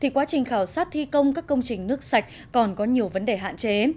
quá trình khảo sát thi công các công trình nước sạch còn có nhiều vấn đề hạn chế